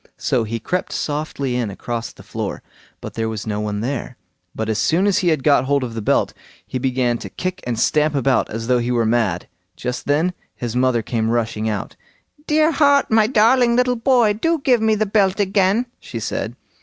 So he crept softly in across the floor, for there was no one there; but as soon as he had got hold of the belt, he began to kick and stamp about as though he were mad. Just then his mother came rushing out. "Dear heart, my darling little boy! do give me the belt again", she said.